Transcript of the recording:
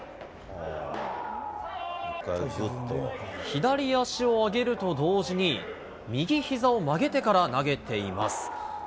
左足を上げると同時に、右ひざを曲げてから投げています。